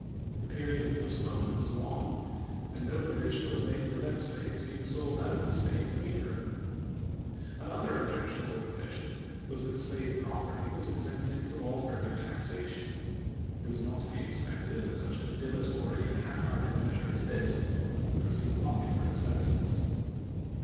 The period of postponement was long, and no provision was made to prevent slaves being sold oat of the State in the interim. An other objectionable provision was that slave prop erty was exempted from all further taxation. It was not to be expected that such a dilatory and half hearted measure as this would receive popular acceptance.